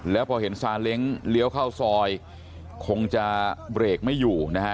แล้วพอเห็นซาเล้งเลี้ยวเข้าซอยคงจะเบรกไม่อยู่นะฮะ